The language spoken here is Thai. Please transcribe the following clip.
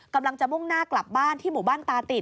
กำลังจะมุ่งหน้ากลับบ้านที่หมู่บ้านตาติด